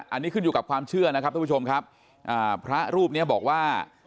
อันนี้ขึ้นอยู่กับความเชื่อนะครับทุกผู้ชมครับอ่าพระรูปเนี้ยบอกว่า